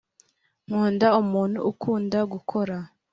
nkunda umuntu ukunda gukora